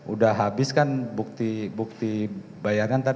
udah habis kan bukti bukti bayaran